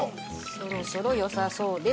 そろそろよさそうです。